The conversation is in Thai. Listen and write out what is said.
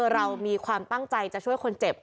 เรามีความตั้งใจจะช่วยคนเจ็บ